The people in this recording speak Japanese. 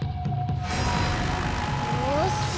よし！